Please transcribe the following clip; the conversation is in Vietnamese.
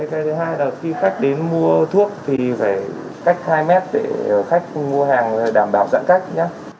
cái thứ hai là khi khách đến mua thuốc thì phải cách hai mét để khách mua hàng đảm bảo giãn cách nhá